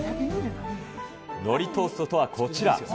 のりトーストとはこちら。